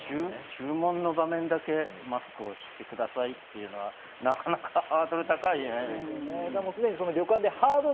注文の間だけマスクをしてくださいというのはなかなかハードル高いですよね。